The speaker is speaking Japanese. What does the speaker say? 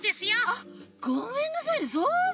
あっごめんなさいねそうでした。